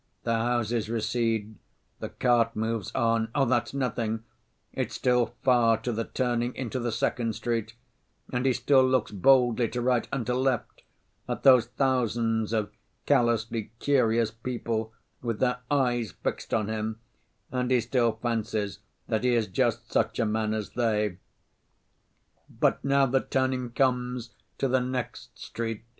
The houses recede, the cart moves on—oh, that's nothing, it's still far to the turning into the second street and he still looks boldly to right and to left at those thousands of callously curious people with their eyes fixed on him, and he still fancies that he is just such a man as they. But now the turning comes to the next street.